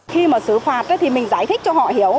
khi mà xử phạt thì mình giải thích cho họ hiểu